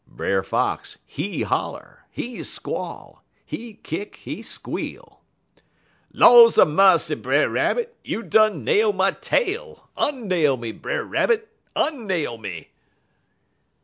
"Brer Fox, he holler, he squall, he kick, he squeal. "'Laws 'a' massy, Brer Rabbit! You done nailed my tail. Onnail me, Brer Rabbit, onnail me!'